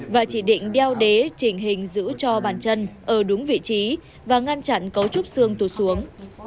và chỉ định đeo đế trình hình giữ cho bàn chân ở đúng vị trí và ngăn chặn cấu trúc xương tụt xuống